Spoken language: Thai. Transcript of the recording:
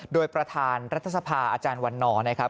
โดยประธานรัฐสภาอาจารย์วันนอร์นะครับ